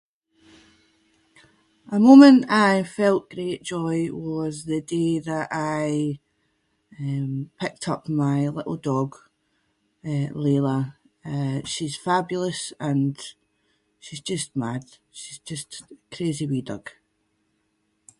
A moment I felt great joy was the day that I um picked up my little dog uh Leila. Uh she’s fabulous and she’s just mad. She’s just- crazy wee dog.